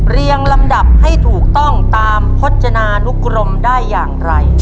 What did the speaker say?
เรียงลำดับให้ถูกต้องตามพจนานุกรมได้อย่างไร